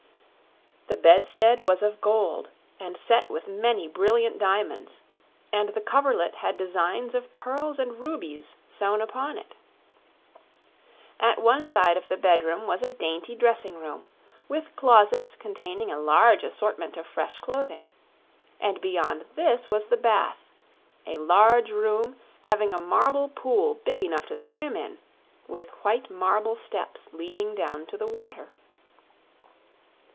The bedstead was of gold and set with many brilliant diamonds, and the coverlet had designs of pearls and rubies sewed upon it. At one side of the bedroom was a dainty dressing room with closets containing a large assortment of fresh clothing; and beyond this was the bath a large room having a marble pool big enough to swim in, with white marble steps leading down to the water.